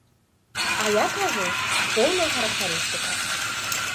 А я кажу, поўная характарыстыка.